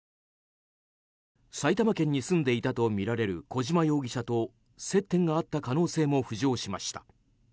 埼玉県に住んでいたとみられる小島容疑者と接点があった可能性も浮上しました。